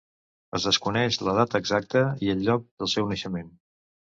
Es desconeix la data exacta i el lloc del seu naixement.